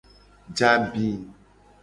Je abi.